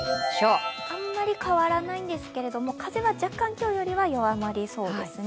あんまり変わらないんですけれども、風は若干今日よりは弱まりそうですね。